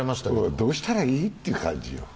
どうしたらいい？って感じ。